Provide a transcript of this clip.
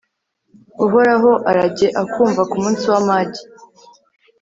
uhoraho arajye akumva ku munsi w'amage